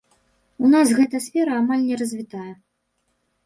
У нас гэта сфера амаль не развітая.